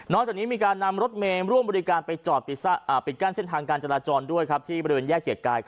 จากนี้มีการนำรถเมย์ร่วมบริการไปจอดปิดกั้นเส้นทางการจราจรด้วยครับที่บริเวณแยกเกียรติกาย